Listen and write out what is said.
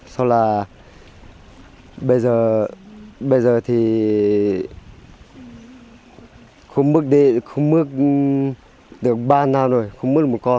sau là bây giờ thì không mức được ba năm rồi không mức được một con